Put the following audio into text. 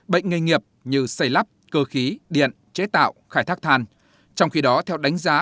bệnh nghề nghiệp như xây lắp cơ khí điện chế tạo khai thác than trong khi đó theo đánh giá